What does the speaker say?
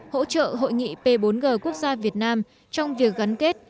hỗ trợ hội nghị p bốn g quốc gia việt nam trong việc gắn kết